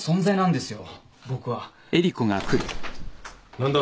何だ？